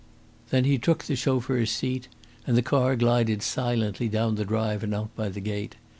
Then he took the chauffeur's seat, and the car glided silently down the drive and out by the gate.